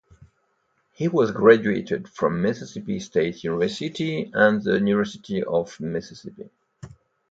He has graduated from Mississippi State University and the University of Mississippi.